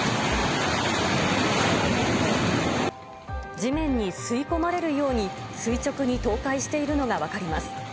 地面に吸い込まれるように、垂直に倒壊しているのが分かります。